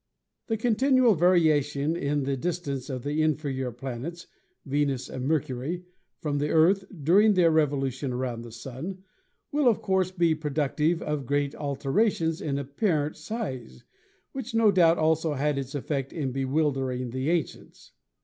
" The continual variation in the distance of the inferior planets, Venus and Mercury, from the Earth, during their revolution around the Sun, will of course be productive of great alterations in apparent size, which no doubt also had its effect in bewildering the ancients.